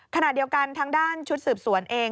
ขณะเดียวกันทางด้านชุดสืบสวนเอง